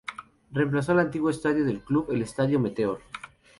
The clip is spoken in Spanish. Reemplazó al antiguo estadio del club, el estadio Meteor.